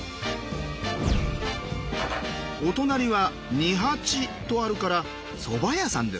お隣は「二八」とあるからそば屋さんですね。